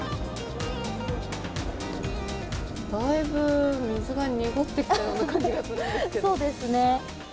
だいぶ水が濁ってきたようなそうですね。